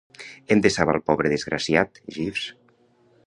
Hem de salvar el pobre desgraciat, Jeeves.